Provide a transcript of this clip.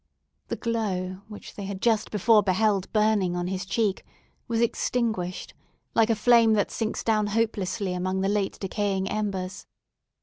The glow, which they had just before beheld burning on his cheek, was extinguished, like a flame that sinks down hopelessly among the late decaying embers.